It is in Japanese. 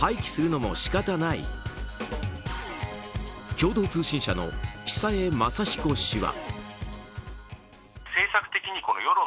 共同通信社の久江雅彦氏は。